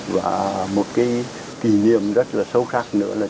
và một cái kỷ niệm rất là sâu sắc nữa là